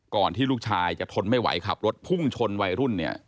ก่อนที่ลูกชายจะทนไม่ไหวขับรถพุ่งชนวัยรุ่น